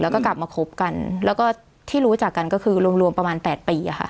แล้วก็กลับมาคบกันแล้วก็ที่รู้จักกันก็คือรวมรวมประมาณ๘ปีอะค่ะ